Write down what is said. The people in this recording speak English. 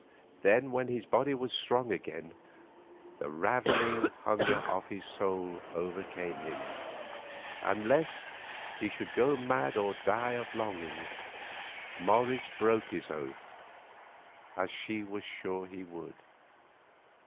Then, when his body was strong again, the ravening hunger of his soul overcame him, and, lest he should go mad or die of longing, Morris broke his oath—as she was sure he would.